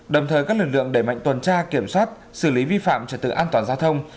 đồng thời các lực lượng đẩy mạnh tuần tra kiểm soát xử lý vi phạm trật tự an toàn giao thông